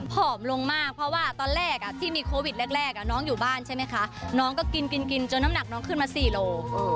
ผอมลงมากเพราะว่าตอนแรกที่มีโควิดแรกน้องอยู่บ้านใช่ไหมคะน้องก็กินกินจนน้ำหนักน้องขึ้นมา๔โล